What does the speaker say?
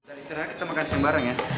kita diserang kita makan siang bareng ya